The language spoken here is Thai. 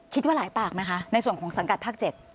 คิดว่าหลายปากไหมคะในส่วนของสังกัดภาค๗